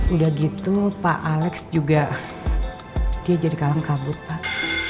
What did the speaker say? udah gitu pak alex juga dia jadi kalang kabut pak